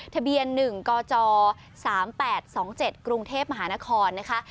ทะเบียน๑กจ๓๘๒๗กรุงเทพมหานครนะคะ